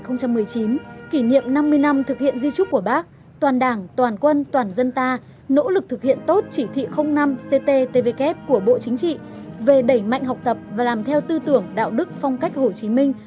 năm hai nghìn một mươi chín kỷ niệm năm mươi năm thực hiện di trúc của bác toàn đảng toàn quân toàn dân ta nỗ lực thực hiện tốt chỉ thị năm cttvk của bộ chính trị về đẩy mạnh học tập và làm theo tư tưởng đạo đức phong cách hồ chí minh